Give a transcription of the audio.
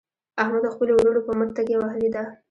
احمد د خپلو ورڼو په مټ تکیه وهلې ده.